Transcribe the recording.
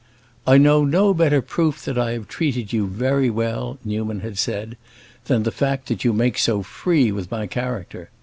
"I know no better proof that I have treated you very well," Newman had said, "than the fact that you make so free with my character.